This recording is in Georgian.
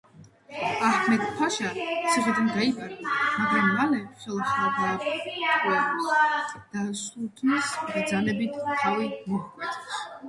აჰმედ-ფაშა ციხიდან გაიპარა, მაგრამ მალე ხელახლა დაატყვევეს და სულთნის ბრძანებით თავი მოჰკვეთეს.